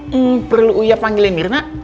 hmm perlu ia panggilin mirna